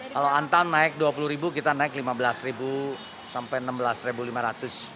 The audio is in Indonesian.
kalau antam naik rp dua puluh kita naik rp lima belas sampai rp enam belas lima ratus